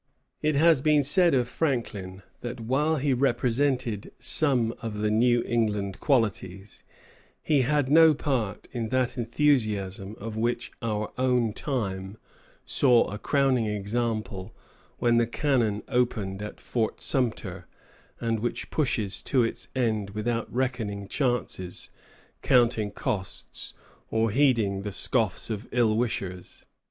] It has been said of Franklin that while he represented some of the New England qualities, he had no part in that enthusiasm of which our own time saw a crowning example when the cannon opened at Fort Sumter, and which pushes to its end without reckoning chances, counting costs, or heeding the scoffs of ill wishers.